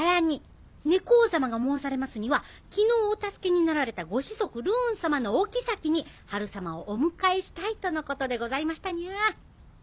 猫王様が申されますには昨日お助けになられたご子息ルーン様のお妃にハル様をお迎えしたいとのことでございましたにゃ。